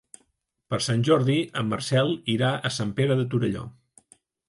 Per Sant Jordi en Marcel irà a Sant Pere de Torelló.